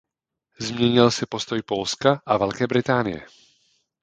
Změnil se postoj Polska a Velké Británie.